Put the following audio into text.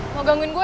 mau gangguin gue